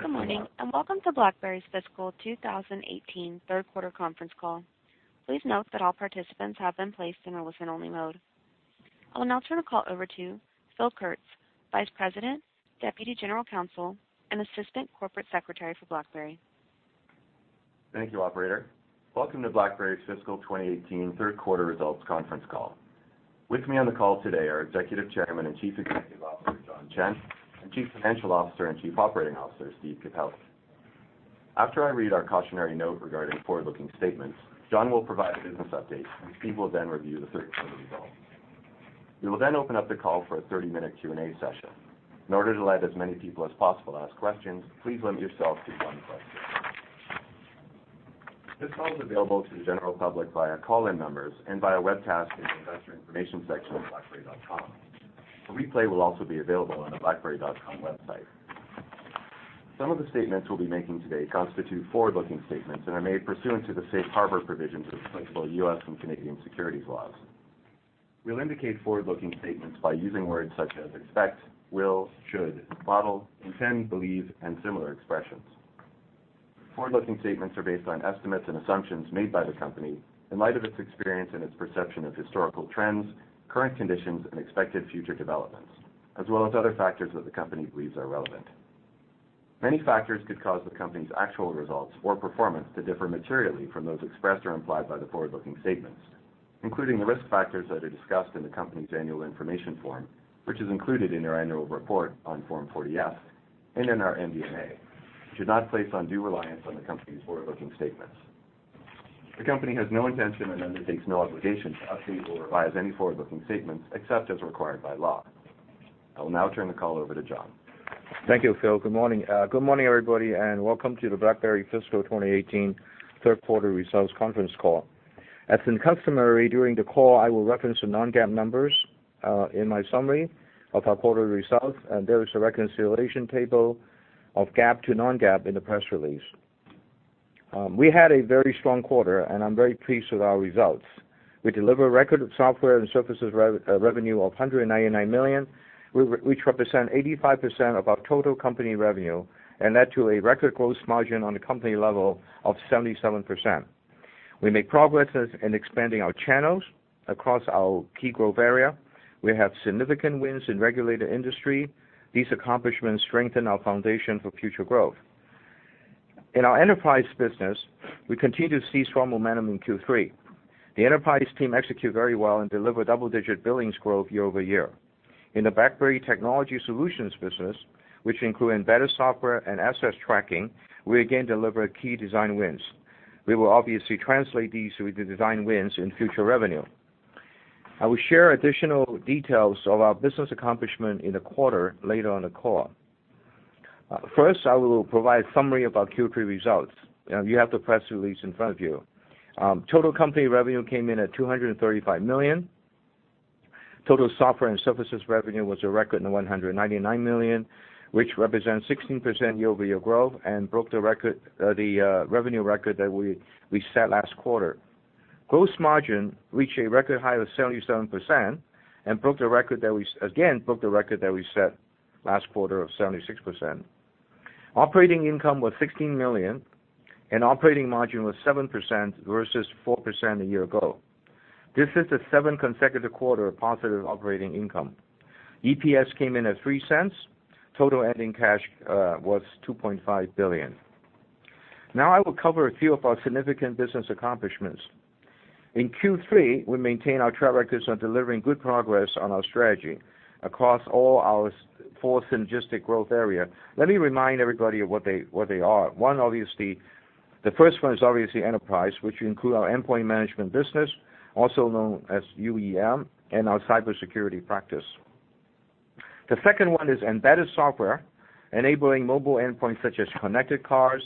Good morning, welcome to BlackBerry's fiscal 2018 third quarter conference call. Please note that all participants have been placed in a listen-only mode. I will now turn the call over to Phil Kurtz, Vice President, Deputy General Counsel, and Assistant Corporate Secretary for BlackBerry. Thank you, operator. Welcome to BlackBerry's fiscal 2018 third quarter results conference call. With me on the call today are Executive Chairman and Chief Executive Officer, John Chen, and Chief Financial Officer and Chief Operating Officer, Steve Capelli. After I read our cautionary note regarding forward-looking statements, John will provide a business update. Steve will review the third quarter results. We will open up the call for a 30-minute Q&A session. In order to let as many people as possible ask questions, please limit yourself to one question. This call is available to the general public via call-in numbers and via webcast in the investor information section of blackberry.com. A replay will also be available on the blackberry.com website. Some of the statements we'll be making today constitute forward-looking statements and are made pursuant to the safe harbor provisions of applicable U.S. and Canadian securities laws. We'll indicate forward-looking statements by using words such as "expect," "will," "should," "model," "intend," "believe," and similar expressions. Forward-looking statements are based on estimates and assumptions made by the company in light of its experience and its perception of historical trends, current conditions, and expected future developments, as well as other factors that the company believes are relevant. Many factors could cause the company's actual results or performance to differ materially from those expressed or implied by the forward-looking statements, including the risk factors that are discussed in the company's annual information form, which is included in our annual report on Form 40-F and in our MD&A. You should not place undue reliance on the company's forward-looking statements. The company has no intention and undertakes no obligation to update or revise any forward-looking statements except as required by law. I will now turn the call over to John. Thank you, Phil. Good morning, everybody, welcome to the BlackBerry fiscal 2018 third quarter results conference call. As is customary during the call, I will reference the non-GAAP numbers in my summary of our quarterly results, there is a reconciliation table of GAAP to non-GAAP in the press release. We had a very strong quarter, I'm very pleased with our results. We delivered record software and services revenue of $199 million, which represents 85% of our total company revenue and led to a record gross margin on the company level of 77%. We made progresses in expanding our channels across our key growth area. We have significant wins in regulated industry. These accomplishments strengthen our foundation for future growth. In our enterprise business, we continued to see strong momentum in Q3. The enterprise team executed very well and delivered double-digit billings growth year-over-year. In the BlackBerry Technology Solutions business, which include embedded software and asset tracking, we again delivered key design wins. We will obviously translate these design wins into future revenue. I will share additional details of our business accomplishment in the quarter later on the call. First, I will provide summary of our Q3 results. You have the press release in front of you. Total company revenue came in at $235 million. Total software and services revenue was a record of $199 million, which represents 16% year-over-year growth and broke the revenue record that we set last quarter. Gross margin reached a record high of 77% and, again, broke the record that we set last quarter of 76%. Operating income was $16 million, and operating margin was 7% versus 4% a year ago. This is the seventh consecutive quarter of positive operating income. EPS came in at $0.03. Total ending cash was $2.5 billion. I will cover a few of our significant business accomplishments. In Q3, we maintained our track records on delivering good progress on our strategy across all our four synergistic growth area. Let me remind everybody what they are. The first one is obviously enterprise, which include our endpoint management business, also known as UEM, and our cybersecurity practice. The second one is embedded software, enabling mobile endpoints such as connected cars.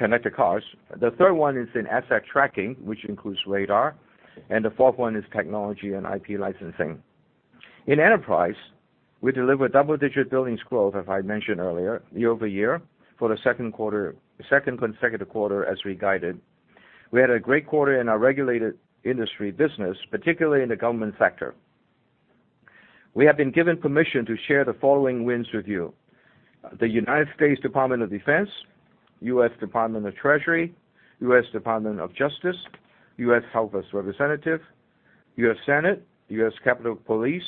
The third one is in asset tracking, which includes Radar. The fourth one is technology and IP licensing. In enterprise, we delivered double-digit billings growth, as I mentioned earlier, year-over-year, for the second consecutive quarter as we guided. We had a great quarter in our regulated industry business, particularly in the government sector. We have been given permission to share the following wins with you. The United States Department of Defense, U.S. Department of the Treasury, U.S. Department of Justice, U.S. House of Representatives, U.S. Senate, U.S. Capitol Police,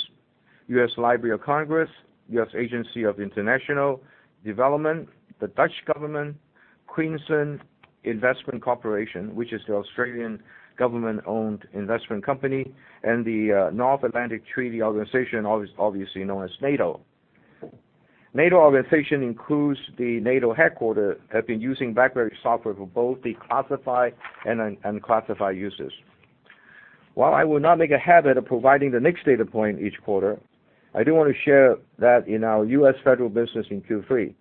U.S. Library of Congress, U.S. Agency for International Development, the Dutch government, Queensland Investment Corporation, which is the Australian government-owned investment company, and the North Atlantic Treaty Organization, obviously known as NATO. NATO organization includes the NATO headquarters have been using BlackBerry software for both the classified and unclassified uses. While I will not make a habit of providing the next data point each quarter, I do want to share that in our U.S. federal business in Q3,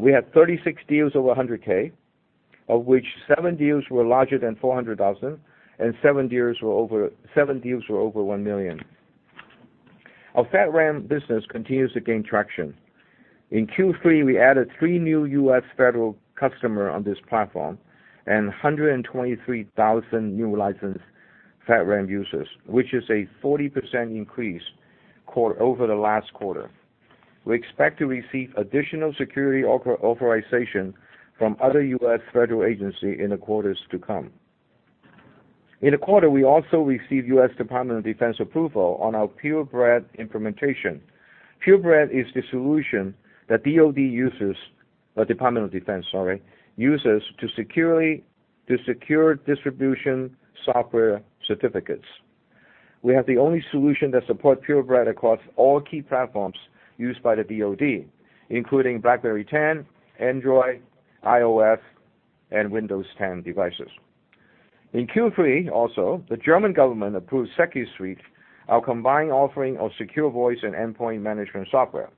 we had 36 deals over $100K, of which seven deals were larger than $400,000 and seven deals were over $1 million. Our FedRAMP business continues to gain traction. In Q3, we added three new U.S. federal customer on this platform and 123,000 new licensed FedRAMP users, which is a 40% increase over the last quarter. We expect to receive additional security authorization from other U.S. federal agency in the quarters to come. In the quarter, we also received U.S. Department of Defense approval on our Purebred implementation. Purebred is the solution that DoD uses, or Department of Defense, sorry, uses to secure distribution software certificates. We have the only solution that supports Purebred across all key platforms used by the DoD, including BlackBerry 10, Android, iOS, and Windows 10 devices. In Q3 also, the German government approved SecuSUITE, our combined offering of secure voice and endpoint management software.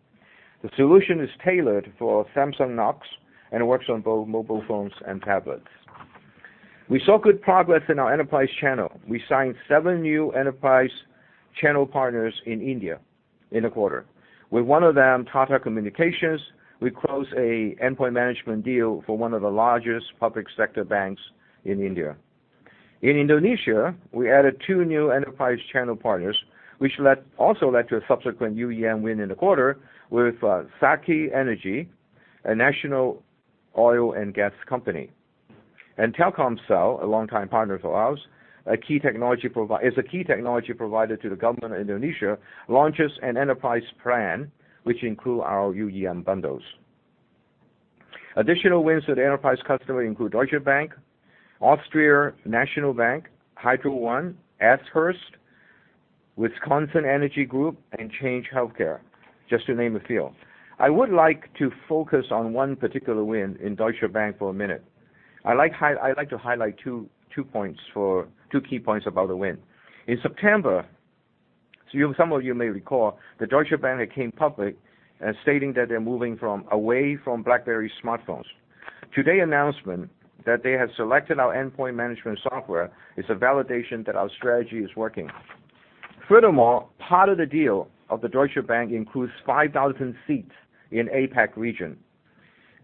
The solution is tailored for Samsung Knox and works on both mobile phones and tablets. We saw good progress in our enterprise channel. We signed seven new enterprise channel partners in India in the quarter. With one of them, Tata Communications, we closed an endpoint management deal for one of the largest public sector banks in India. In Indonesia, we added two new enterprise channel partners, which also led to a subsequent UEM win in the quarter with Sakti Energy, a national oil and gas company. Telkomsel, a longtime partner of ours, is a key technology provider to the government of Indonesia, launches an enterprise plan, which include our UEM bundles. Additional wins with enterprise customers include Deutsche Bank, Oesterreichische Nationalbank, Hydro One, Ashurst, WEC Energy Group, and Change Healthcare, just to name a few. I would like to focus on one particular win in Deutsche Bank for a minute. I'd like to highlight two key points about the win. In September, some of you may recall, that Deutsche Bank had came public stating that they're moving away from BlackBerry smartphones. Today's announcement that they have selected our endpoint management software is a validation that our strategy is working. Furthermore, part of the deal of the Deutsche Bank includes 5,000 seats in APAC region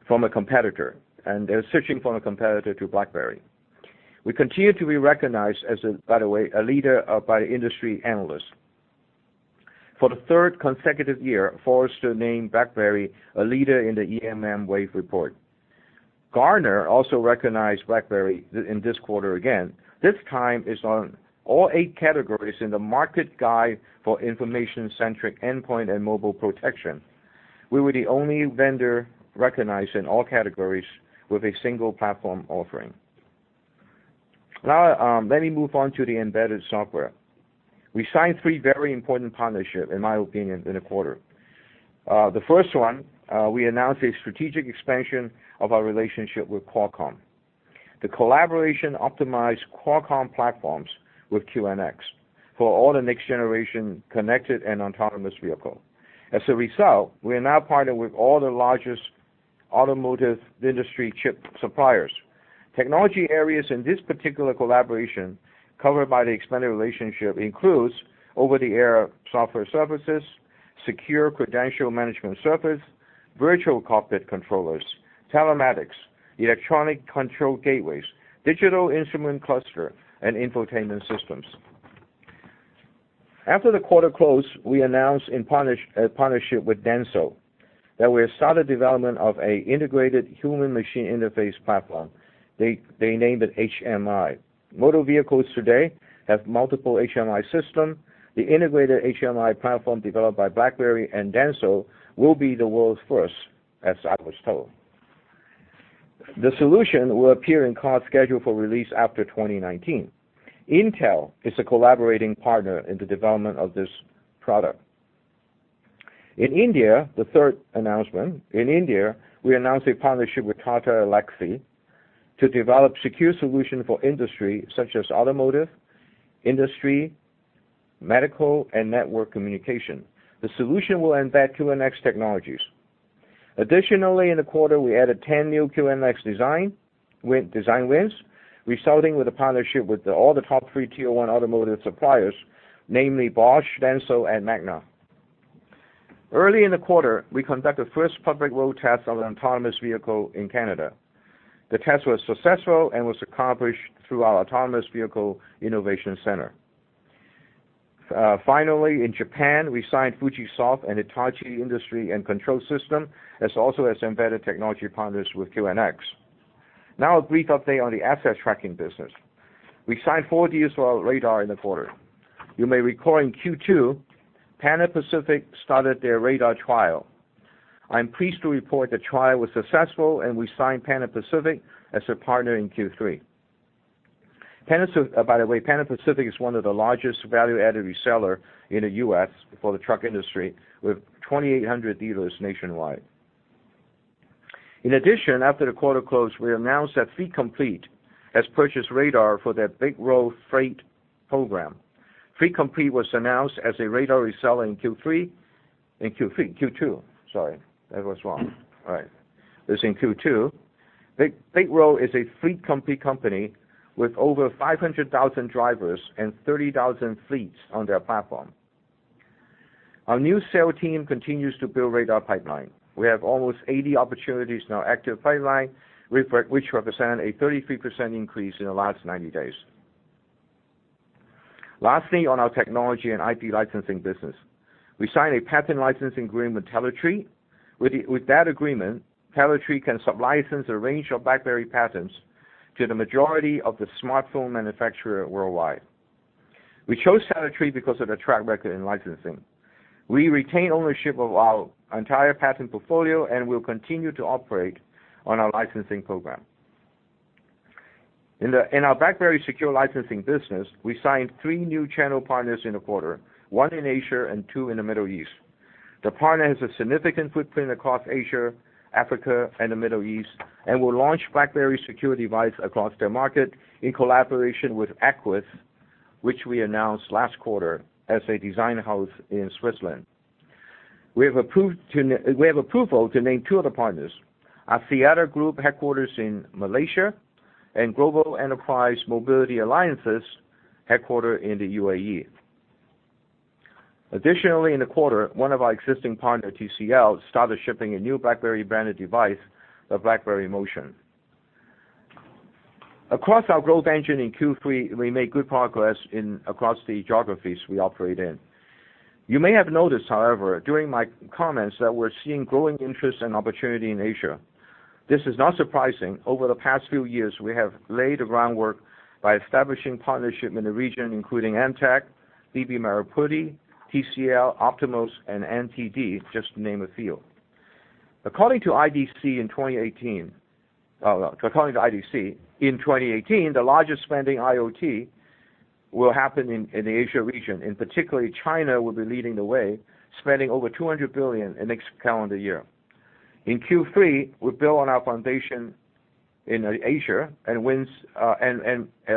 from a competitor, and they're switching from a competitor to BlackBerry. We continue to be recognized as, by the way, a leader by industry analysts. For the third consecutive year, Forrester named BlackBerry a leader in the EMM Wave report. Gartner also recognized BlackBerry in this quarter again. This time it's on all 8 categories in the Market Guide for Information-Centric Endpoint and Mobile Protection. We were the only vendor recognized in all categories with a single platform offering. Let me move on to the embedded software. We signed three very important partnerships, in my opinion, in the quarter. The first one, we announced a strategic expansion of our relationship with Qualcomm. The collaboration optimized Qualcomm platforms with QNX for all the next-generation connected and autonomous vehicle. As a result, we are now partnered with all the largest automotive industry chip suppliers. Technology areas in this particular collaboration covered by the expanded relationship includes over-the-air software services, secure credential management service, virtual cockpit controllers, telematics, electronic control gateways, digital instrument cluster, and infotainment systems. After the quarter close, we announced a partnership with Denso that we have started development of an integrated human machine interface platform. They named it HMI. Motor vehicles today have multiple HMI system. The integrated HMI platform developed by BlackBerry and Denso will be the world's first, as I was told. The solution will appear in cars scheduled for release after 2019. Intel is a collaborating partner in the development of this product. In India, the third announcement, in India, we announced a partnership with Tata Elxsi to develop secure solution for industry such as automotive, industry, medical, and network communication. The solution will embed QNX technologies. Additionally, in the quarter, we added 10 new QNX design wins, resulting with a partnership with all the top three tier-one automotive suppliers, namely Bosch, Denso, and Magna. Early in the quarter, we conducted the first public road test of an autonomous vehicle in Canada. The test was successful and was accomplished through our autonomous vehicle innovation center. Finally, in Japan, we signed Fujisoft and Hitachi Industry & Control System as also embedded technology partners with QNX. A brief update on the asset tracking business. We signed four deals for our Radar in the quarter. You may recall in Q2, Pana-Pacific started their Radar trial. I'm pleased to report the trial was successful, and we signed Pana-Pacific as a partner in Q3. By the way, Pana-Pacific is one of the largest value-added reseller in the U.S. for the truck industry, with 2,800 dealers nationwide. In addition, after the quarter close, we announced that Fleet Complete has purchased Radar for their BigRoad freight program. Fleet Complete was announced as a Radar reseller in Q3. In Q2, sorry. That was wrong. It was in Q2. BigRoad is a fleet company with over 500,000 drivers and 30,000 fleets on their platform. Our new sales team continues to build Radar pipeline. We have almost 80 opportunities in our active pipeline, which represent a 33% increase in the last 90 days. Lastly, on our technology and IP licensing business, we signed a patent licensing agreement with Teletry. With that agreement, Teletry can sub-license a range of BlackBerry patents to the majority of the smartphone manufacturer worldwide. We chose Teletry because of their track record in licensing. We retain ownership of our entire patent portfolio, and we'll continue to operate on our licensing program. In our BlackBerry secure licensing business, we signed three new channel partners in the quarter, one in Asia and two in the Middle East. The partner has a significant footprint across Asia, Africa, and the Middle East, and will launch BlackBerry secure device across their market in collaboration with Equiis, which we announced last quarter as a design house in Switzerland. We have approval to name two other partners, Axiata Group headquarters in Malaysia, and Global Enterprise Mobility Alliance headquarter in the U.A.E. Additionally, in the quarter, one of our existing partner, TCL, started shipping a new BlackBerry-branded device, the BlackBerry Motion. Across our growth engine in Q3, we made good progress across the geographies we operate in. You may have noticed, however, during my comments, that we're seeing growing interest and opportunity in Asia. This is not surprising. Over the past few years, we have laid the groundwork by establishing partnership in the region, including [AnexTEK], BB Merah Putih, TCL, Optiemus, and NTD, just to name a few. According to IDC, in 2018, the largest spending IoT will happen in the Asia region, and particularly China will be leading the way, spending over $200 billion in next calendar year. In Q3, we built on our foundation in Asia and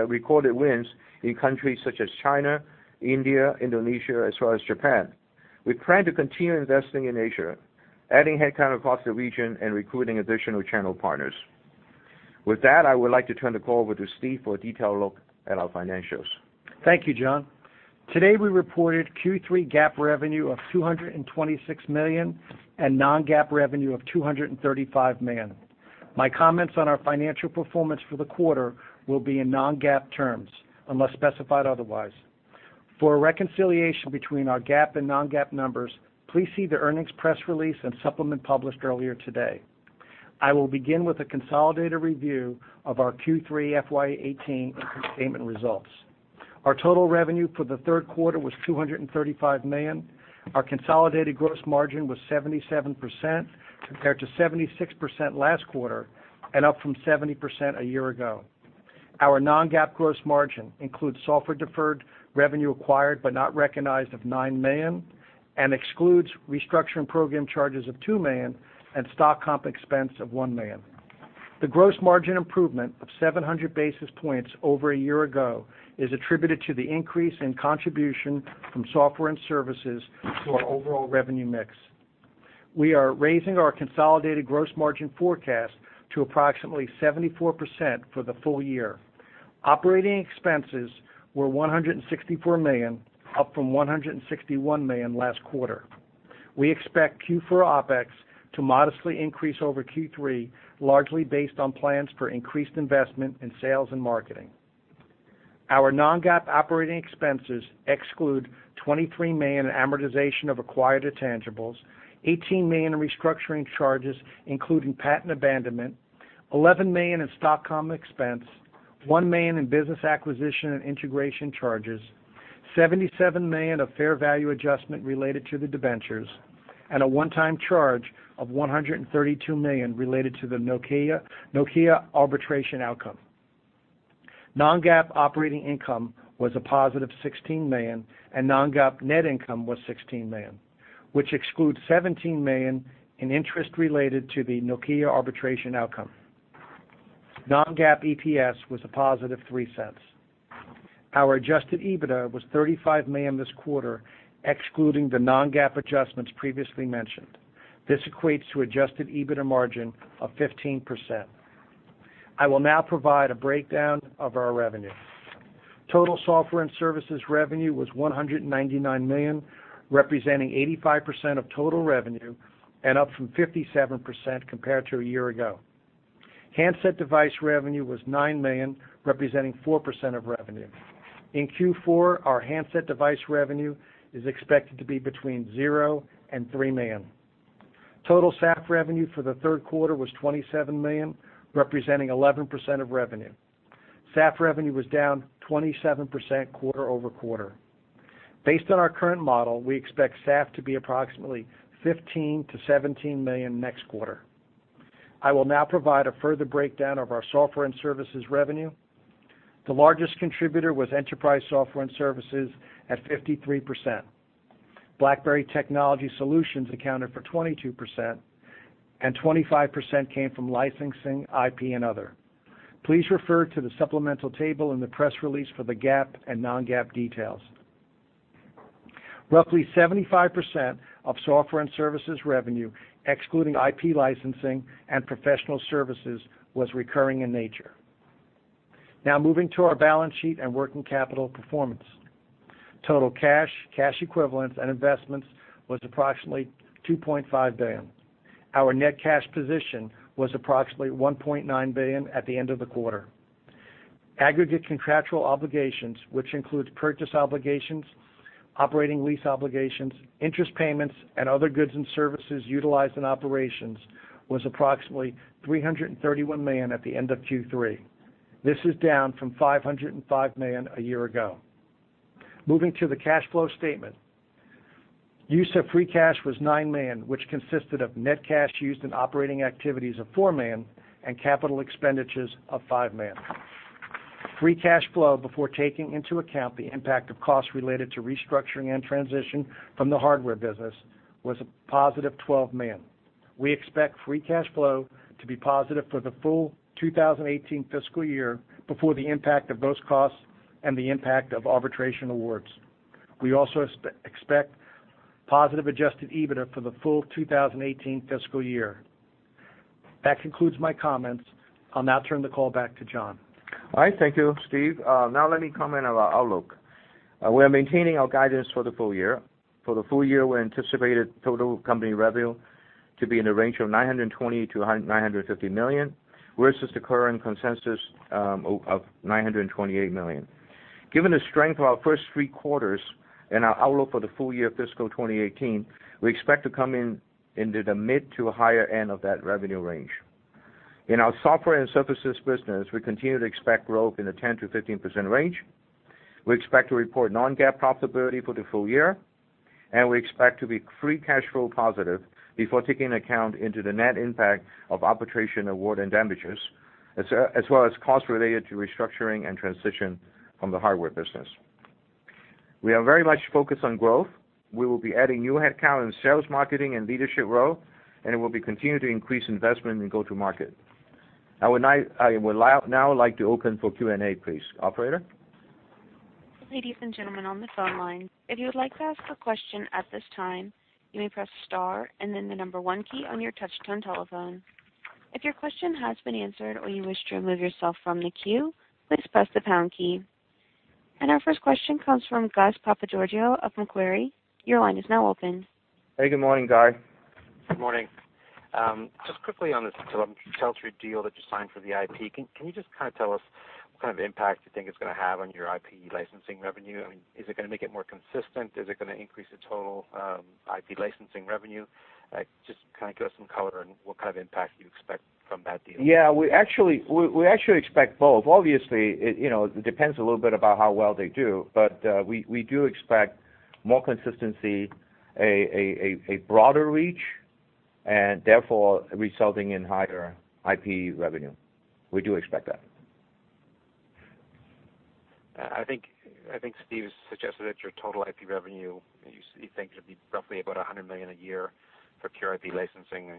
recorded wins in countries such as China, India, Indonesia, as well as Japan. We plan to continue investing in Asia, adding headcount across the region and recruiting additional channel partners. With that, I would like to turn the call over to Steve for a detailed look at our financials. Thank you, John. Today, we reported Q3 GAAP revenue of $226 million and non-GAAP revenue of $235 million. My comments on our financial performance for the quarter will be in non-GAAP terms, unless specified otherwise. For a reconciliation between our GAAP and non-GAAP numbers, please see the earnings press release and supplement published earlier today. I will begin with a consolidated review of our Q3 FY 2018 income statement results. Our total revenue for the third quarter was $235 million. Our consolidated gross margin was 77%, compared to 76% last quarter, and up from 70% a year ago. Our non-GAAP gross margin includes software deferred, revenue acquired but not recognized of $9 million, and excludes restructuring program charges of $2 million and stock comp expense of $1 million. The gross margin improvement of 700 basis points over a year ago is attributed to the increase in contribution from software and services to our overall revenue mix. We are raising our consolidated gross margin forecast to approximately 74% for the full year. Operating expenses were $164 million, up from $161 million last quarter. We expect Q4 OpEx to modestly increase over Q3, largely based on plans for increased investment in sales and marketing. Our non-GAAP operating expenses exclude $23 million in amortization of acquired intangibles, $18 million in restructuring charges, including patent abandonment, $11 million in stock comp expense, $1 million in business acquisition and integration charges, $77 million of fair value adjustment related to the debentures, and a one-time charge of $132 million related to the Nokia arbitration outcome. Non-GAAP operating income was a positive $16 million, and non-GAAP net income was $16 million, which excludes $17 million in interest related to the Nokia arbitration outcome. Non-GAAP EPS was a positive $0.03. Our adjusted EBITDA was $35 million this quarter, excluding the non-GAAP adjustments previously mentioned. This equates to adjusted EBITDA margin of 15%. I will now provide a breakdown of our revenue. Total software and services revenue was $199 million, representing 85% of total revenue and up from 57% compared to a year ago. Handset device revenue was $9 million, representing 4% of revenue. In Q4, our handset device revenue is expected to be between 0 and $3 million. Total SAF revenue for the third quarter was $27 million, representing 11% of revenue. SAF revenue was down 27% quarter-over-quarter. Based on our current model, we expect SAF to be approximately $15 million-$17 million next quarter. I will now provide a further breakdown of our software and services revenue. The largest contributor was enterprise software and services at 53%. BlackBerry Technology Solutions accounted for 22%, and 25% came from licensing, IP, and other. Please refer to the supplemental table in the press release for the GAAP and non-GAAP details. Roughly 75% of software and services revenue, excluding IP licensing and professional services, was recurring in nature. Now moving to our balance sheet and working capital performance. Total cash equivalents, and investments was approximately $2.5 billion. Our net cash position was approximately $1.9 billion at the end of the quarter. Aggregate contractual obligations, which includes purchase obligations, operating lease obligations, interest payments, and other goods and services utilized in operations, was approximately $331 million at the end of Q3. This is down from $505 million a year ago. Moving to the cash flow statement. Use of free cash was $9 million, which consisted of net cash used in operating activities of $4 million and capital expenditures of $5 million. Free cash flow before taking into account the impact of costs related to restructuring and transition from the hardware business was a positive $12 million. We expect free cash flow to be positive for the full 2018 fiscal year before the impact of those costs and the impact of arbitration awards. We also expect positive adjusted EBITDA for the full 2018 fiscal year. That concludes my comments. I'll now turn the call back to John. Thank you, Steve. Let me comment on our outlook. We are maintaining our guidance for the full year. For the full year, we anticipated total company revenue to be in the range of $920 million-$950 million, versus the current consensus of $928 million. Given the strength of our first three quarters and our outlook for the full year fiscal 2018, we expect to come in into the mid to higher end of that revenue range. In our software and services business, we continue to expect growth in the 10%-15% range. We expect to report non-GAAP profitability for the full year, and we expect to be free cash flow positive before taking account into the net impact of arbitration award and damages, as well as costs related to restructuring and transition from the hardware business. We are very much focused on growth. We will be adding new headcount in sales, marketing, and leadership role, we will be continuing to increase investment in go-to-market. I would now like to open for Q&A, please. Operator? Ladies and gentlemen on the phone line, if you would like to ask a question at this time, you may press star and then the number 1 key on your touch-tone telephone. If your question has been answered or you wish to remove yourself from the queue, please press the pound key. Our first question comes from Gus Papageorgiou of Macquarie. Your line is now open. Hey, good morning, Gus. Good morning. Just quickly on the Teletry deal that you signed for the IP, can you just tell us what kind of impact you think it's going to have on your IP licensing revenue? Is it going to make it more consistent? Is it going to increase the total IP licensing revenue? Just give us some color on what kind of impact you expect from that deal. Yeah, we actually expect both. Obviously, it depends a little bit about how well they do. We do expect more consistency, a broader reach, and therefore resulting in higher IP revenue. We do expect that. I think Steve suggested that your total IP revenue, you think it'll be roughly about $100 million a year for pure IP licensing.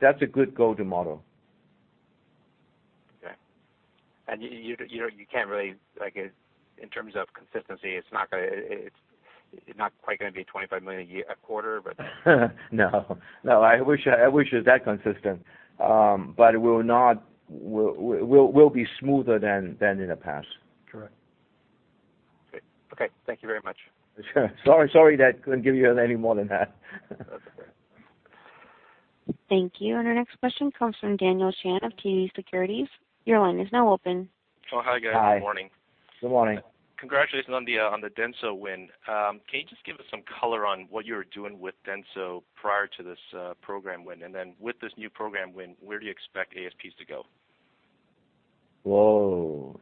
That's a good go-to model. Okay. You can't really, in terms of consistency, it's not quite going to be $25 million a quarter. No. I wish it was that consistent. It will be smoother than in the past. Correct. Great. Okay. Thank you very much. Sure. Sorry that I couldn't give you any more than that. That's okay. Thank you. Our next question comes from Daniel Chan of TD Securities. Your line is now open. Oh, hi, guys. Hi. Good morning. Good morning. Congratulations on the Denso win. Can you just give us some color on what you were doing with Denso prior to this program win? With this new program win, where do you expect ASPs to go? Whoa.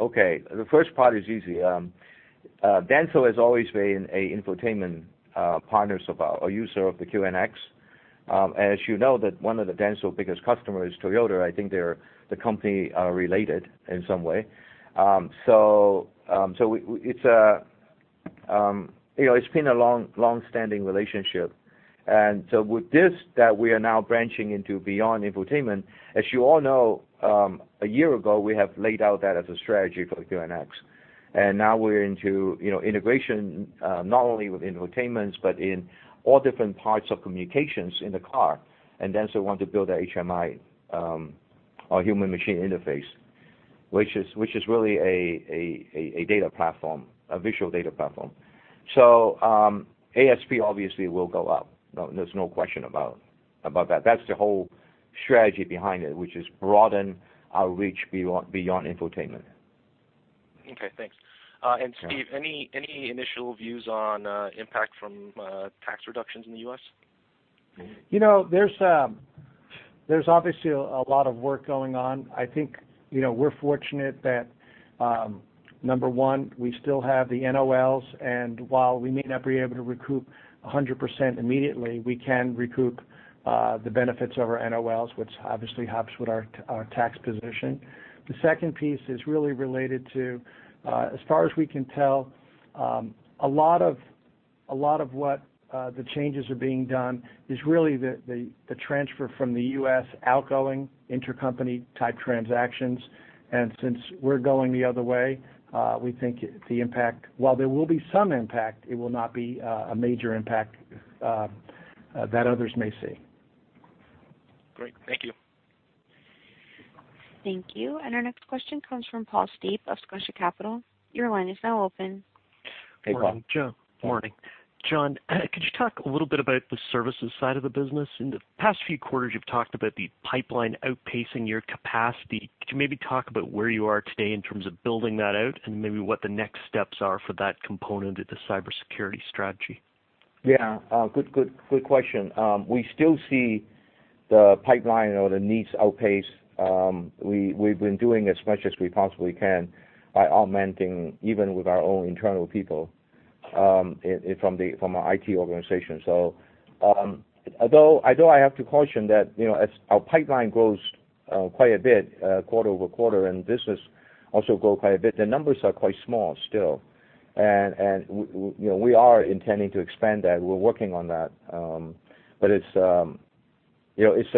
Okay. The first part is easy. Denso has always been an infotainment partner of ours or user of the QNX. As you know that one of the Denso biggest customer is Toyota. I think the company are related in some way. It's been a long-standing relationship. With this that we are now branching into beyond infotainment, as you all know, a year ago, we have laid out that as a strategy for the QNX. Now we're into integration, not only with infotainments, but in all different parts of communications in the car, and Denso want to build a HMI, a human machine interface, which is really a data platform, a visual data platform. ASP obviously will go up. There's no question about that. That's the whole strategy behind it, which is broaden our reach beyond infotainment. Okay, thanks. Steve, any initial views on impact from tax reductions in the U.S.? There's obviously a lot of work going on. I think we're fortunate that, number one, we still have the NOLs, and while we may not be able to recoup 100% immediately, we can recoup the benefits of our NOLs, which obviously helps with our tax position. The second piece is really related to, as far as we can tell, a lot of A lot of what the changes are being done is really the transfer from the U.S. outgoing intercompany type transactions. Since we're going the other way, we think while there will be some impact, it will not be a major impact that others may see. Great. Thank you. Thank you. Our next question comes from Paul Steep of Scotia Capital. Your line is now open. Hey, Paul. John, morning. John, could you talk a little bit about the services side of the business? In the past few quarters, you've talked about the pipeline outpacing your capacity. Could you maybe talk about where you are today in terms of building that out, and maybe what the next steps are for that component of the cybersecurity strategy? Yeah. Good question. We still see the pipeline or the needs outpace. We've been doing as much as we possibly can by augmenting, even with our own internal people from our IT organization. Although I have to caution that, as our pipeline grows quite a bit quarter-over-quarter and business also grow quite a bit, the numbers are quite small still. We are intending to expand that. We're working on that. It's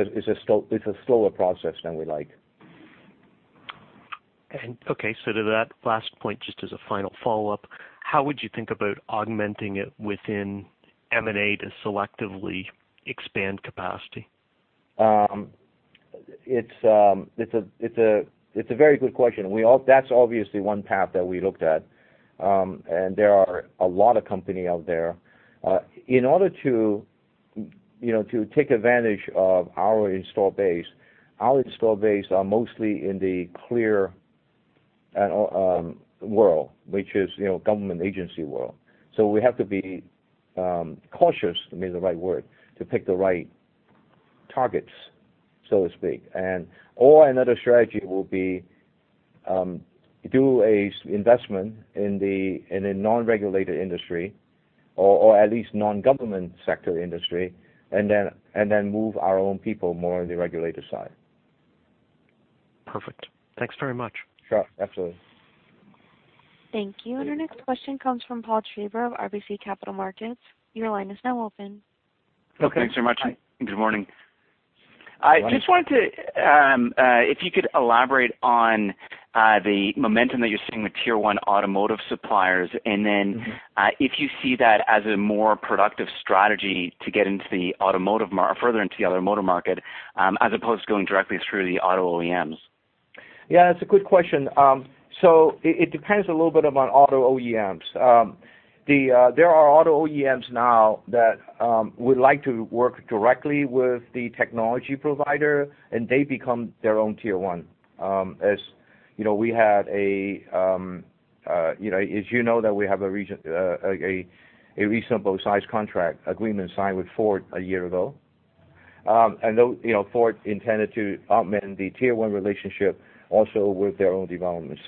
a slower process than we like. Okay, to that last point, just as a final follow-up, how would you think about augmenting it within M&A to selectively expand capacity? It's a very good question. That's obviously one path that we looked at. There are a lot of companies out there. In order to take advantage of our install base, our install base is mostly in the clear world, which is government agency world. We have to be cautious, maybe the right word, to pick the right targets, so to speak. Another strategy will be, do an investment in a non-regulated industry or at least non-government sector industry, and then move our own people more on the regulated side. Perfect. Thanks very much. Sure. Absolutely. Thank you. Our next question comes from Paul Treiber of RBC Capital Markets. Your line is now open. Okay. Thanks so much. Good morning. Morning. I just wondered if you could elaborate on the momentum that you're seeing with tier 1 automotive suppliers, and then if you see that as a more productive strategy to get further into the automotive market, as opposed to going directly through the auto OEMs. Yeah, it's a good question. It depends a little bit upon auto OEMs. There are auto OEMs now that would like to work directly with the technology provider, and they become their own tier 1. As you know that we have a reasonable size contract agreement signed with Ford a year ago. Ford intended to augment the tier 1 relationship also with their own development.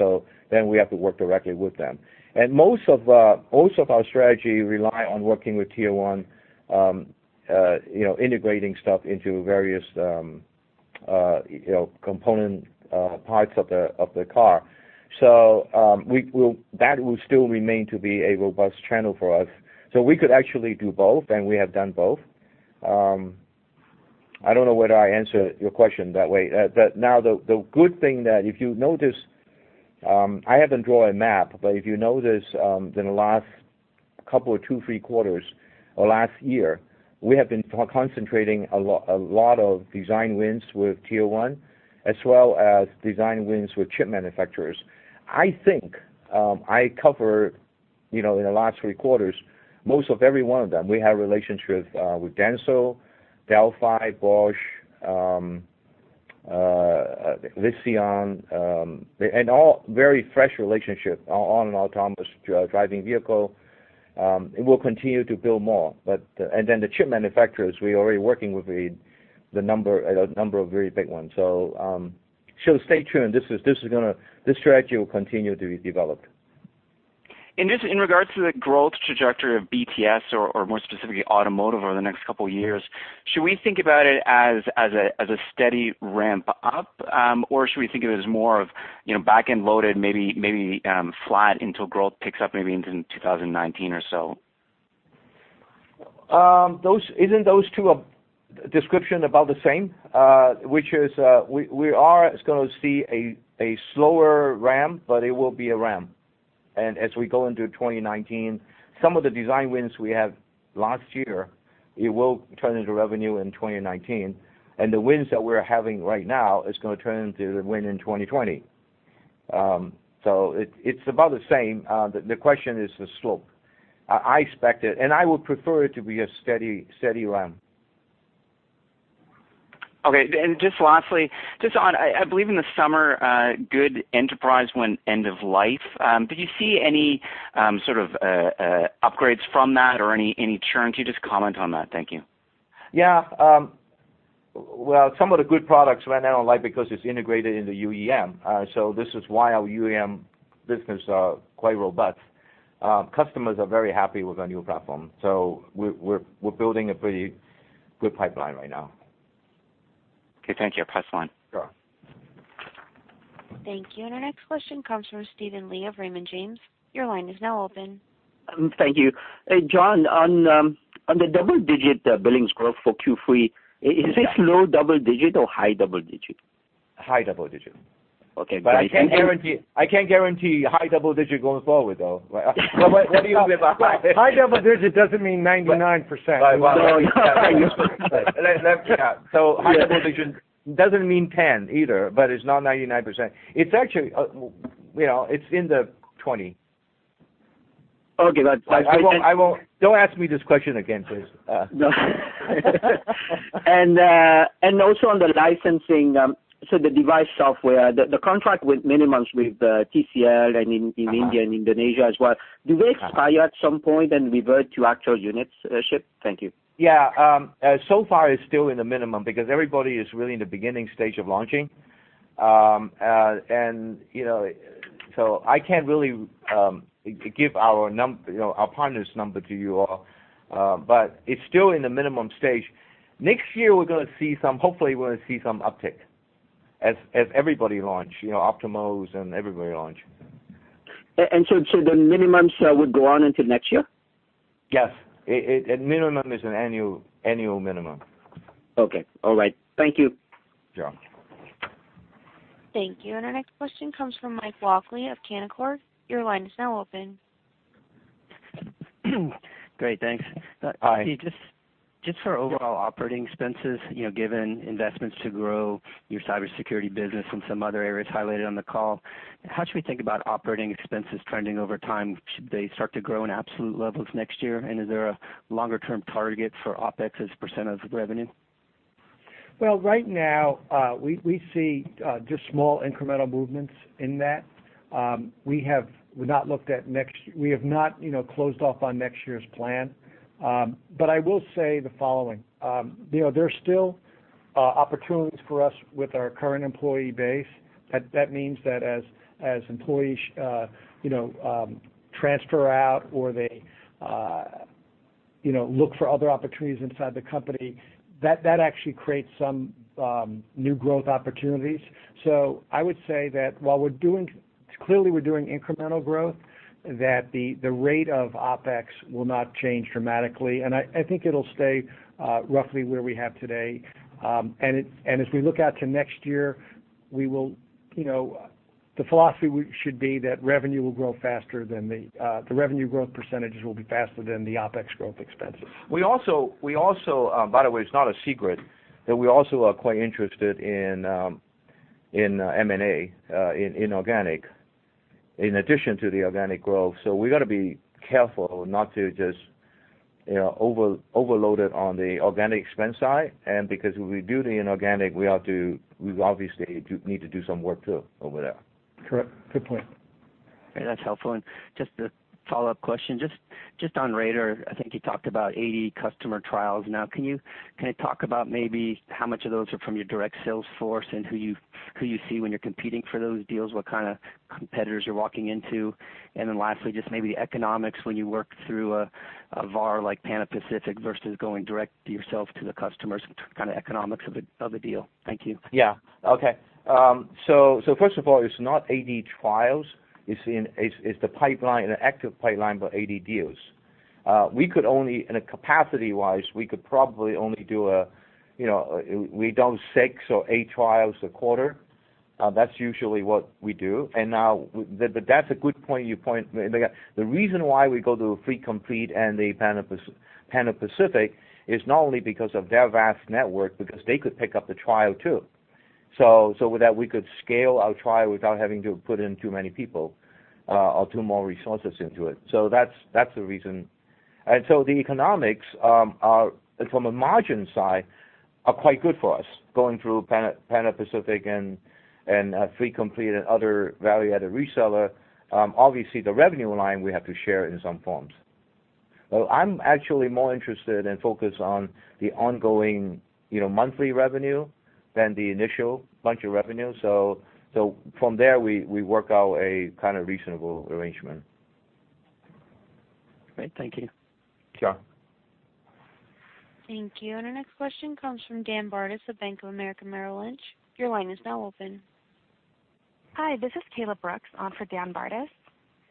We have to work directly with them. Most of our strategy rely on working with tier 1, integrating stuff into various component parts of the car. That will still remain to be a robust channel for us. We could actually do both, and we have done both. I don't know whether I answered your question that way. Now the good thing that if you notice, I haven't drawn a map, but if you notice in the last couple of two, three quarters or last year, we have been concentrating a lot of design wins with tier 1, as well as design wins with chip manufacturers. I think I cover, in the last three quarters, most of every one of them. We have relationships with Denso, Delphi, Bosch, Lear, and all very fresh relationship on an autonomous driving vehicle. We'll continue to build more. Then the chip manufacturers, we're already working with a number of very big ones. Stay tuned. This strategy will continue to be developed. Just in regards to the growth trajectory of BTS or more specifically automotive over the next couple of years, should we think about it as a steady ramp up? Should we think of it as more of backend loaded, maybe flat until growth picks up maybe into 2019 or so? Isn't those two description about the same? Which is we are going to see a slower ramp, but it will be a ramp. As we go into 2019, some of the design wins we have last year, it will turn into revenue in 2019. The wins that we're having right now is going to turn into win in 2020. It's about the same. The question is the slope. I expect it and I would prefer it to be a steady ramp. Okay. Just lastly, just on, I believe in the summer, Good for Enterprise went end of life. Did you see any sort of upgrades from that or any churn? Can you just comment on that? Thank you. Yeah. Some of the Good products went out of life because it's integrated in the UEM. This is why our UEM business are quite robust. Customers are very happy with our new platform. We're building a pretty good pipeline right now. Okay. Thank you. I press one. Sure. Thank you. Our next question comes from Steven Li of Raymond James. Your line is now open. Thank you. John, on the double-digit billings growth for Q3, is it low double-digit or high double-digit? High double digit. Okay. I can't guarantee high double digit going forward, though. Where do you give a high. High double digit doesn't mean 99%. Right. High double digit Doesn't mean 10 either, but it's not 99%. It's in the 20. Okay. Don't ask me this question again, please. Also on the licensing, the device software, the contract with minimums with TCL and in India and Indonesia as well, do they expire at some point and revert to actual units shipped? Thank you. Far it's still in the minimum because everybody is really in the beginning stage of launching. I can't really give our partner's number to you all. It's still in the minimum stage. Next year, hopefully we're going to see some uptick as everybody launch, Optiemus and everybody launch. The minimums would go on into next year? Yes. Minimum is an annual minimum. Okay. All right. Thank you. Sure. Thank you. Our next question comes from Mike Walkley of Canaccord. Your line is now open. Great, thanks. Hi. Just for overall operating expenses, given investments to grow your cybersecurity business and some other areas highlighted on the call, how should we think about operating expenses trending over time? Should they start to grow in absolute levels next year? Is there a longer-term target for OpEx as % of revenue? Well, right now, we see just small incremental movements in that. We have not closed off on next year's plan. I will say the following. There's still opportunities for us with our current employee base. That means that as employees transfer out or they look for other opportunities inside the company, that actually creates some new growth opportunities. I would say that while clearly we're doing incremental growth, that the rate of OpEx will not change dramatically, and I think it'll stay roughly where we have today. As we look out to next year, the philosophy should be that the revenue growth % will be faster than the OpEx growth expenses. We also, by the way, it's not a secret, that we also are quite interested in M&A, inorganic, in addition to the organic growth. We've got to be careful not to just overload it on the organic expense side. Because we do the inorganic, we obviously need to do some work, too, over there. Correct. Good point. Great. That's helpful. Just a follow-up question, just on Radar, I think you talked about 80 customer trials now. Can you talk about maybe how much of those are from your direct sales force and who you see when you're competing for those deals, what kind of competitors you're walking into? Then lastly, just maybe the economics when you work through a VAR like Pana-Pacific versus going direct yourself to the customers, kind of economics of a deal. Thank you. Yeah. Okay. First of all, it's not 80 trials. It's the active pipeline, but 80 deals. Capacity-wise, we could probably only do six or eight trials a quarter. That's usually what we do. That's a good point you point. The reason why we go to Fleet Complete and the Pana-Pacific is not only because of their vast network, because they could pick up the trial, too. With that, we could scale our trial without having to put in too many people or too more resources into it. That's the reason. The economics, from a margin side, are quite good for us, going through Pana-Pacific and Fleet Complete and other value-added reseller. Obviously, the revenue line, we have to share in some forms. I'm actually more interested and focused on the ongoing monthly revenue than the initial bunch of revenue. From there, we work out a kind of reasonable arrangement. Great. Thank you. Sure. Thank you. Our next question comes from Dan Bartus of Bank of America Merrill Lynch. Your line is now open. Hi, this is Kayla Brooks on for Dan Bartus.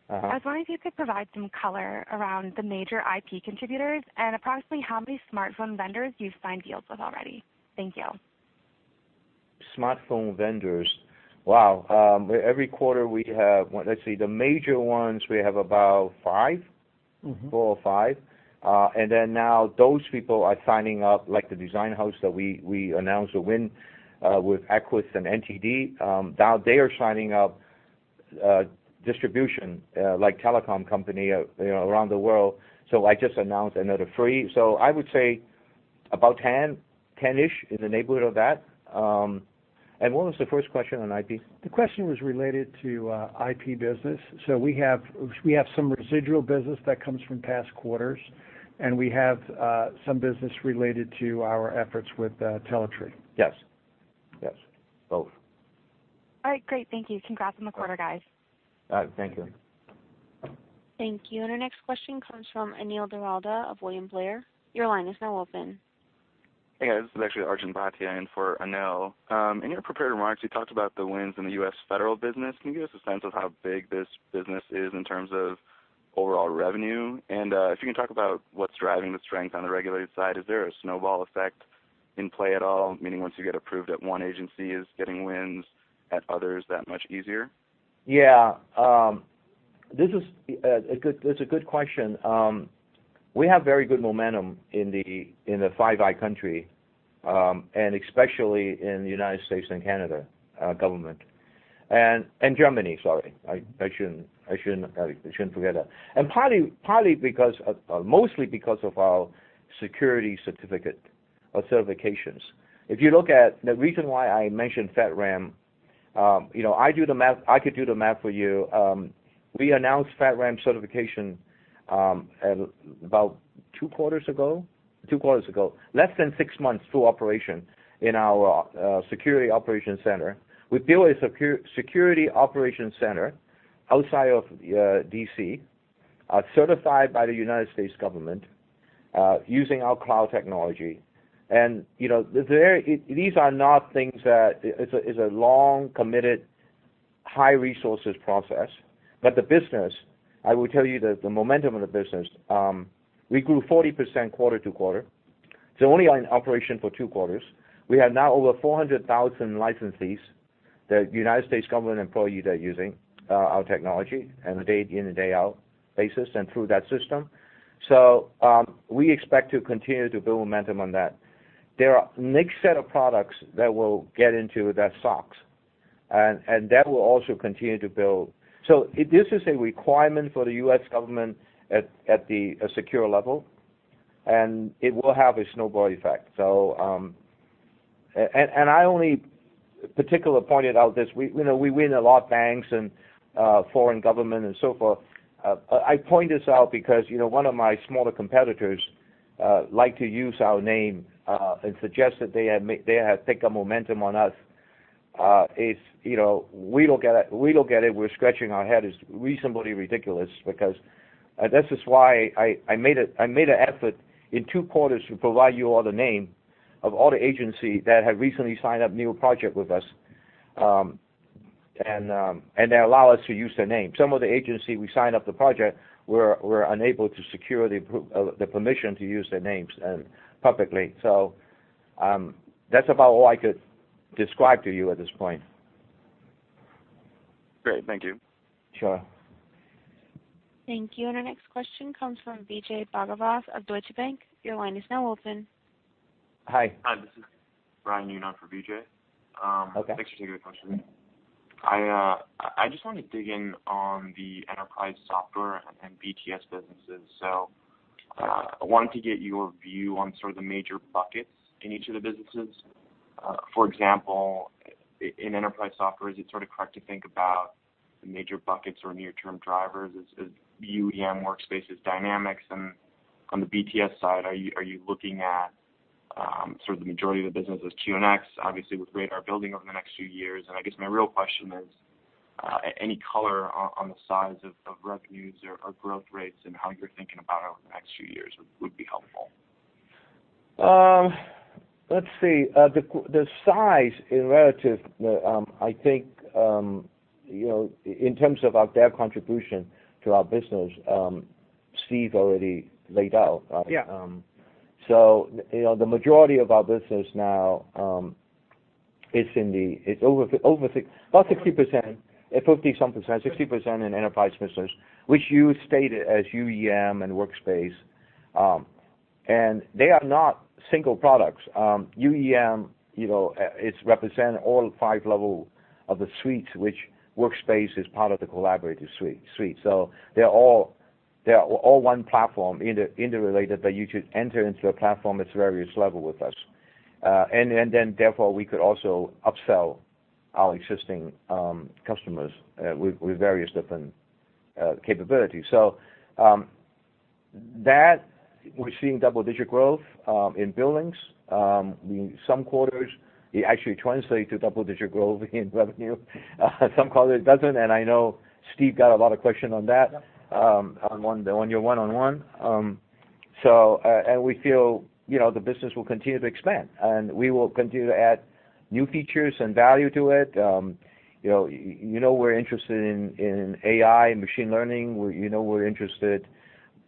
I was wondering if you could provide some color around the major IP contributors and approximately how many smartphone vendors you've signed deals with already. Thank you. Smartphone vendors. Wow. Every quarter we have, let's see, the major ones, we have about five. Now those people are signing up, like the design house that we announced a win with Equiis and NTD. Now they are signing up distribution like telecom company around the world. I just announced another three. I would say about 10-ish, in the neighborhood of that. What was the first question on IP? The question was related to IP business. We have some residual business that comes from past quarters, and we have some business related to our efforts with Teletry. Yes. Both. All right, great. Thank you. Congrats on the quarter, guys. All right. Thank you. Thank you. Our next question comes from Anil Doradla of William Blair. Your line is now open. Hey, guys, this is actually Arjun Bhatia in for Anil. In your prepared remarks, you talked about the wins in the U.S. federal business. Can you give us a sense of how big this business is in terms of overall revenue? If you can talk about what's driving the strength on the regulated side, is there a snowball effect in play at all? Meaning once you get approved at one agency, is getting wins at others that much easier? Yeah. That's a good question. We have very good momentum in the Five Eyes country, especially in the U.S. and Canada government. Germany, sorry. I shouldn't forget that. Mostly because of our security certificate or certifications. If you look at the reason why I mentioned FedRAMP, I could do the math for you. We announced FedRAMP certification about 2 quarters ago. Less than 6 months to operation in our security operations center. We built a security operations center outside of D.C., certified by the U.S. government, using our cloud technology. These are not things that it's a long, committed, high resources process. The business, I will tell you that the momentum of the business, we grew 40% quarter to quarter, it's only in operation for 2 quarters. We have now over 400,000 licensees, the U.S. government employees are using our technology in a day-in and day-out basis and through that system. We expect to continue to build momentum on that. There are next set of products that will get into that SOCs, that will also continue to build. This is a requirement for the U.S. government at the secure level, and it will have a snowball effect. I only particularly pointed out this, we win a lot banks and foreign government and so forth. I point this out because, one of my smaller competitors like to use our name, and suggest that they have picked up momentum on us. We look at it, we're scratching our head, it's reasonably ridiculous because this is why I made an effort in 2 quarters to provide you all the name of all the agencies that have recently signed up new project with us, they allow us to use their name. Some of the agency we signed up the project, we're unable to secure the permission to use their names publicly. That's about all I could describe to you at this point. Great. Thank you. Sure. Thank you. Our next question comes from Vijay Bhagwat of Deutsche Bank. Your line is now open. Hi. Hi, this is Brian Munoz for Vijay. Okay. Thanks for taking the question. I just want to dig in on the enterprise software and BTS businesses. I wanted to get your view on sort of the major buckets in each of the businesses. For example, in enterprise software, is it sort of correct to think about the major buckets or near-term drivers as UEM, Workspaces, Dynamics? On the BTS side, are you looking at sort of the majority of the business as QNX, obviously with Radar building over the next few years? I guess my real question is, any color on the size of revenues or growth rates and how you're thinking about over the next few years would be helpful. Let's see. The size in relative, I think, in terms of their contribution to our business, Steve already laid out. Yeah. The majority of our business now, about 60%, at 50 something percent, 60% in enterprise business, which you stated as UEM and Workspaces. They are not single products. UEM, it's representing all 5 level of the suites, which Workspaces is part of the collaborative suite. They're all one platform interrelated, but you could enter into a platform at various level with us. Therefore, we could also upsell our existing customers, with various different capabilities. That we're seeing double-digit growth, in billings. In some quarters, it actually translates to double-digit growth in revenue. Some quarters it doesn't, and I know Steve got a lot of question on that- Yeah on your one-on-one. We feel the business will continue to expand, and we will continue to add new features and value to it. You know we're interested in AI and machine learning. You know we're interested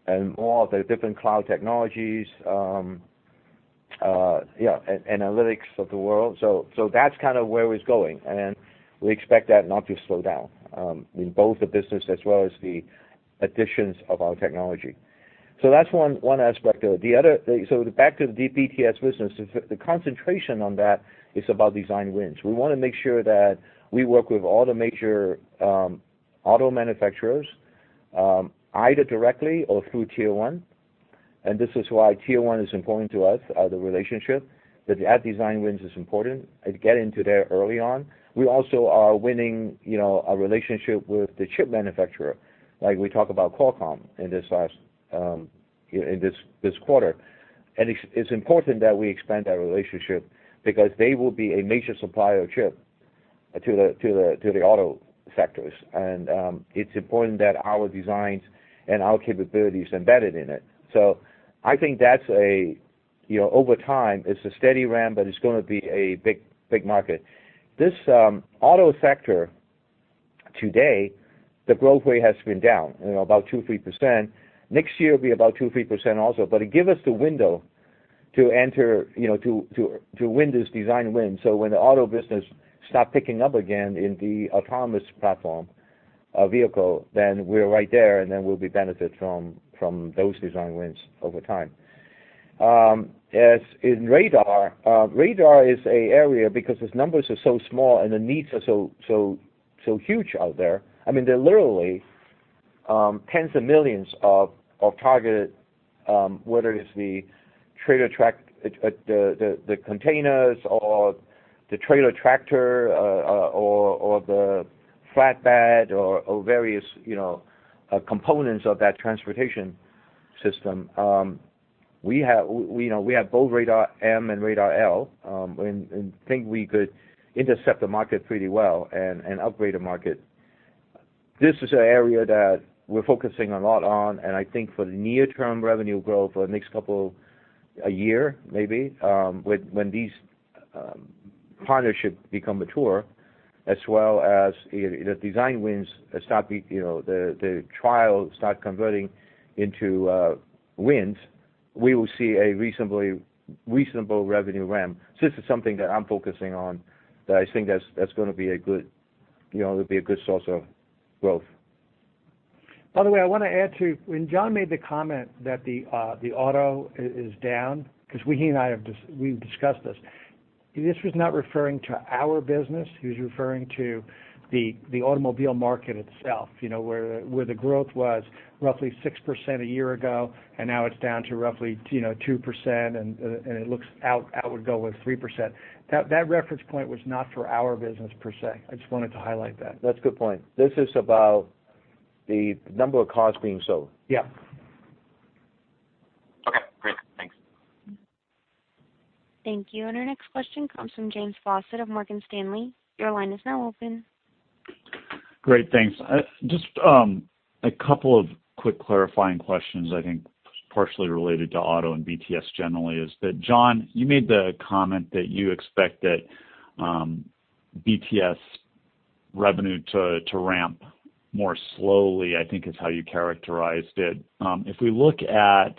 in all the different cloud technologies, analytics of the world. That's kind of where it's going. We expect that not to slow down, in both the business as well as the additions of our technology. That's one aspect of it. Back to the BTS business, the concentration on that is about design wins. We want to make sure that we work with all the major auto manufacturers, either directly or through Tier 1. This is why Tier 1 is important to us, the relationship, that design wins is important and get into there early on. We also are winning a relationship with the chip manufacturer. Like we talked about Qualcomm in this quarter. It's important that we expand that relationship because they will be a major supplier of chip to the auto sectors. It's important that our designs and our capabilities are embedded in it. I think over time, it's a steady ramp, but it's going to be a big market. This auto sector today, the growth rate has been down about 2%, 3%. Next year will be about 2%, 3% also, but it gives us the window to enter, to win this design win. When the auto business starts picking up again in the autonomous platform vehicle, then we're right there, and then we'll be benefiting from those design wins over time. As in Radar is an area because its numbers are so small and the needs are so huge out there. There are literally tens of millions of targeted, whether it's the containers or the trailer tractor or the flatbed or various components of that transportation system. We have both Radar M and Radar L, and think we could intercept the market pretty well and upgrade the market. This is an area that we're focusing a lot on, and I think for the near-term revenue growth for the next couple, a year maybe, when these partnerships become mature, as well as the design wins start, the trials start converting into wins. We will see a reasonable revenue ramp. This is something that I'm focusing on, that I think that's going to be a good source of growth. By the way, I want to add too, when John made the comment that the auto is down, because he and I, we've discussed this. This was not referring to our business. He was referring to the automobile market itself, where the growth was roughly 6% a year ago, and now it's down to roughly 2%, and it looks outward go with 3%. That reference point was not for our business per se. I just wanted to highlight that. That's a good point. This is about the number of cars being sold. Yeah. Okay, great. Thanks. Thank you. Our next question comes from James Faucette of Morgan Stanley. Your line is now open. Great, thanks. Just a couple of quick clarifying questions, I think partially related to auto and BTS generally is that, John, you made the comment that you expect that BTS revenue to ramp more slowly, I think is how you characterized it. If we look at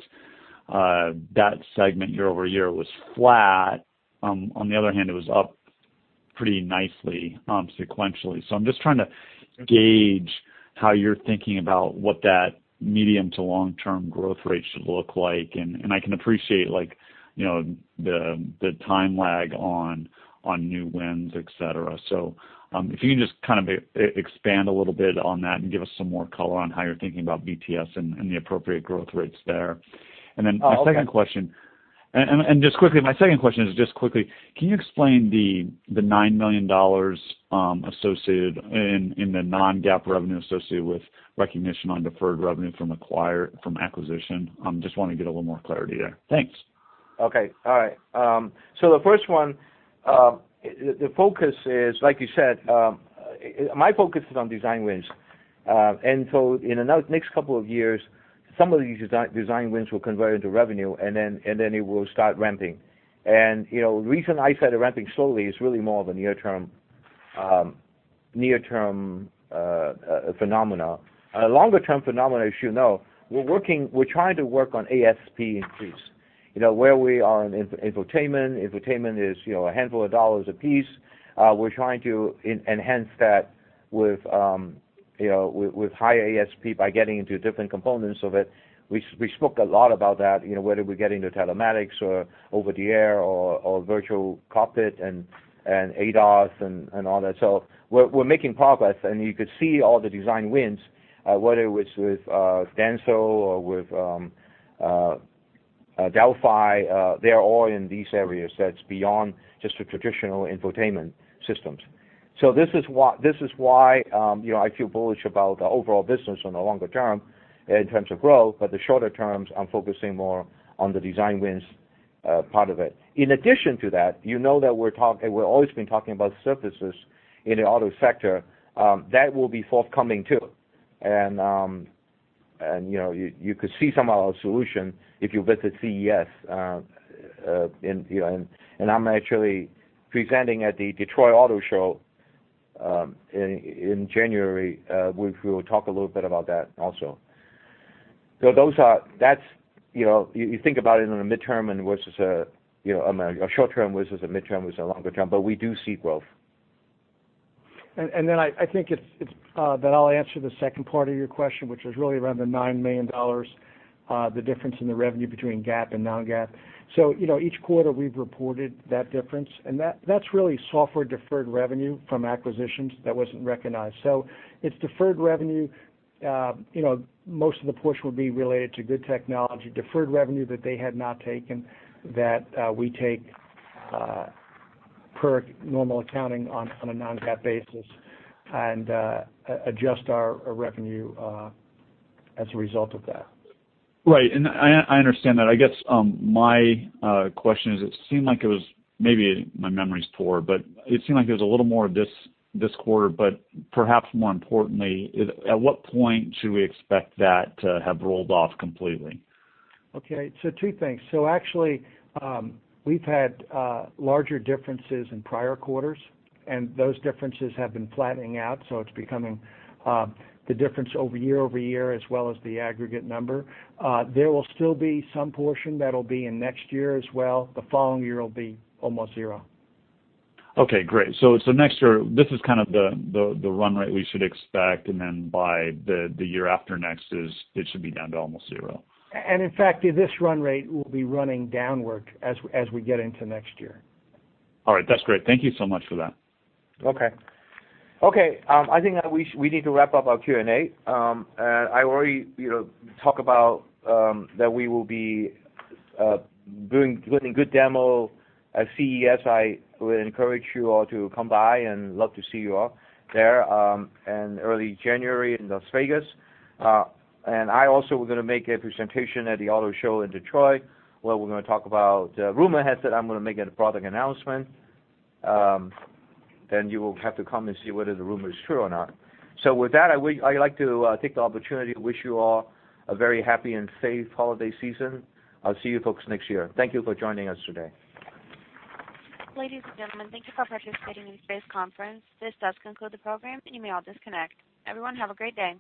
that segment year-over-year, it was flat. On the other hand, it was up pretty nicely sequentially. I'm just trying to gauge how you're thinking about what that medium to long-term growth rate should look like. I can appreciate the time lag on new wins, et cetera. If you can just expand a little bit on that and give us some more color on how you're thinking about BTS and the appropriate growth rates there. My second question is just quickly, can you explain the $9 million associated in the non-GAAP revenue associated with recognition on deferred revenue from acquisition? Just want to get a little more clarity there. Thanks. Okay. All right. The first one, the focus is, like you said, my focus is on design wins. In the next couple of years, some of these design wins will convert into revenue, and then it will start ramping. The reason I said ramping slowly is really more of a near-term phenomena. A longer-term phenomena, as you know, we're trying to work on ASP increase. Where we are in infotainment is a handful of dollars a piece. We're trying to enhance that with high ASP by getting into different components of it. We spoke a lot about that, whether we get into telematics or over-the-air or virtual cockpit and ADAS and all that. We're making progress, and you could see all the design wins, whether it's with Denso or with Delphi, they're all in these areas that's beyond just your traditional infotainment systems. This is why I feel bullish about the overall business on the longer term in terms of growth, the shorter terms, I'm focusing more on the design wins part of it. In addition to that, you know that we've always been talking about surfaces in the auto sector. That will be forthcoming, too. You could see some of our solution if you visit CES, I'm actually presenting at the Detroit Auto Show in January. We will talk a little bit about that also. You think about it in a midterm and versus a short term, versus a midterm, versus a longer term, we do see growth. I think that I'll answer the second part of your question, which is really around the $9 million, the difference in the revenue between GAAP and non-GAAP. Each quarter we've reported that difference, that's really software deferred revenue from acquisitions that wasn't recognized. It's deferred revenue, most of the push will be related to Good Technology, deferred revenue that they had not taken, that we take per normal accounting on a non-GAAP basis and adjust our revenue as a result of that. Right. I understand that. I guess my question is, it seemed like it was, maybe my memory's poor, it seemed like there was a little more of this this quarter, perhaps more importantly, at what point should we expect that to have rolled off completely? Okay, two things. Actually, we've had larger differences in prior quarters, those differences have been flattening out, it's becoming the difference over year-over-year as well as the aggregate number. There will still be some portion that'll be in next year as well. The following year will be almost zero. Okay, great. Next year, this is kind of the run rate we should expect, then by the year after next it should be down to almost zero. In fact, this run rate will be running downward as we get into next year. All right. That's great. Thank you so much for that. Okay. I think that we need to wrap up our Q&A. I already talked about that we will be doing Good demo at CES. I would encourage you all to come by and love to see you all there in early January in Las Vegas. We're going to make a presentation at the Detroit Auto Show, where we're going to talk about rumor has it I'm going to make a product announcement, you will have to come and see whether the rumor is true or not. With that, I'd like to take the opportunity to wish you all a very happy and safe holiday season. I'll see you folks next year. Thank you for joining us today. Ladies and gentlemen, thank you for participating in today's conference. This does conclude the program. You may all disconnect. Everyone, have a great day.